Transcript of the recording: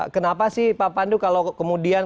kenapa sih pak pandu kalau kemudian